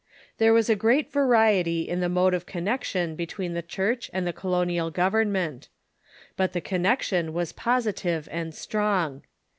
There was a great variety in the mode of connection between the Church and the colonial government. But the connection was positive and strong.